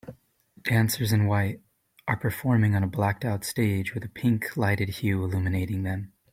Dancers in white are performing on a blacked out stage with a pink lighted hue illuminating them.